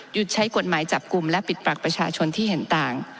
ใช้กฎหมายจับกลุ่มและปิดปรักประชาชนที่เห็นต่าง